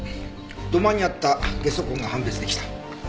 土間にあったゲソ痕が判別出来た。